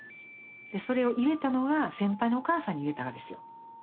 それを言えたのが先輩のお母さんに言えたがですよ。